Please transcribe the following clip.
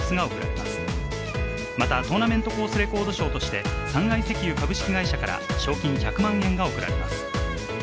またトーナメントコースレコード賞として三愛石油株式会社から賞金１００万円が贈られます。